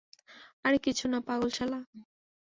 আরে কিছু না, পাগল শালা।